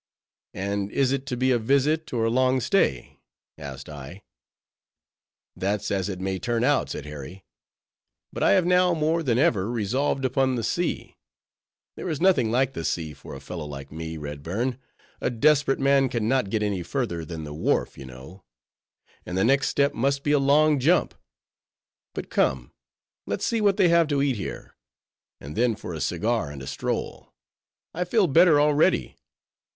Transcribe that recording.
"And is it to be a visit, or a long stay?" asked I. "That's as it may turn out," said Harry; "but I have now more than ever resolved upon the sea. There is nothing like the sea for a fellow like me, Redburn; a desperate man can not get any further than the wharf, you know; and the next step must be a long jump. But come, let's see what they have to eat here, and then for a cigar and a stroll. I feel better already.